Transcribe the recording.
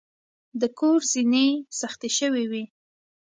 د کور زینې سختې شوې وې.